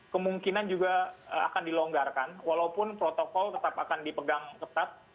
kemungkinan juga akan dilonggarkan walaupun protokol tetap akan dipegang ketat